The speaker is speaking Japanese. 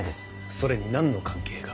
それに何の関係が？